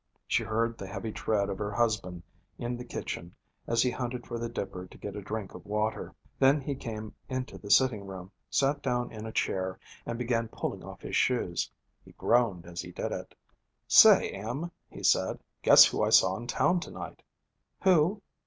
She heard the heavy tread of her husband in the kitchen, as he hunted for the dipper to get a drink of water. Then he came into the sitting room, sat down in a chair, and began pulling off his shoes. He groaned as he did it. 'Say, Em,' he said, 'guess who I saw in town to night?' 'Who?'